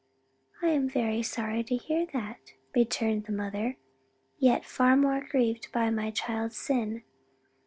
"I am very sorry to hear that," returned the mother, "yet far more grieved by my child's sin.